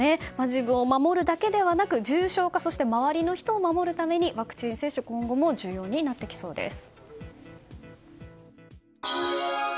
自分を守るだけではなく重症化、周りの人を守るためにワクチン接種今後も重要になってきそうです。